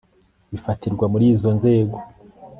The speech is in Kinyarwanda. bifatirwa muri izo nzego